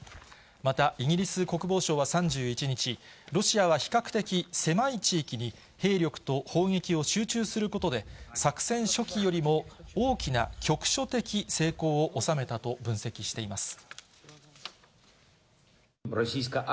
また、イギリス国防省は３１日、ロシアは比較的狭い地域に、兵力と砲撃を集中することで、作戦初期よりも大きな局所的成功を収めたと分析しています。